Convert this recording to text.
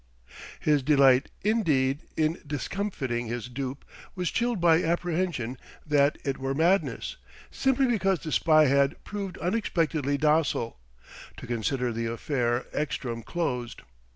His delight, indeed, in discomfiting his dupe was chilled by apprehension that it were madness, simply because the spy had proved unexpectedly docile, to consider the affaire Ekstrom closed.